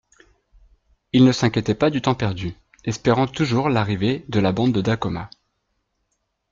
Ils ne s'inquiétaient pas du temps perdu, espérant toujours l'arrivée de la bande de Dacoma.